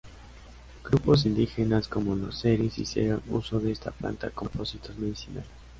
Grupos indígenas como los Seris hicieron uso de esta planta con propósitos medicinales.